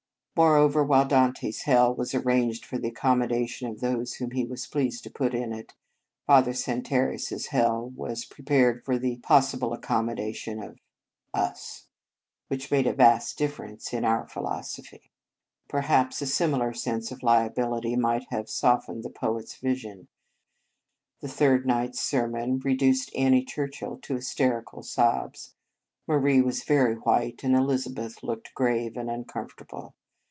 Moreover, while Dante s Hell was arranged for the accommodation of those whom he was pleased to put in it, Father Santarius s Hell was pre pared for the possible accommodation of us, which made a vast difference 81 In Our Convent Day<> in our philosophy. Perhaps a similar sense of liability might have softened the poet s vision. The third night s sermon reduced Annie Churchill to hysterical sobs; Marie was very white, and Elizabeth looked grave and uncomfortable.